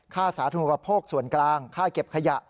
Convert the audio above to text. ค่าสาธุมาประโภคส่วนกลางค่าเก็บขยะ